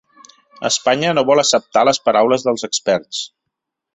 Espanya no vol acceptar les paraules dels experts